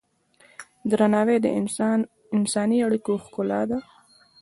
درناوی د انساني اړیکو ښکلا ده.